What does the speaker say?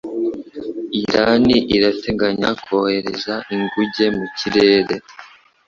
Irani irateganya kohereza inguge mu kirere.